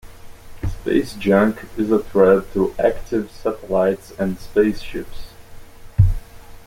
Space junk is a threat to active satellites and spaceships.